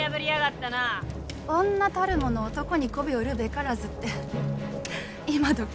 女たるもの男に媚を売るべからずって今どき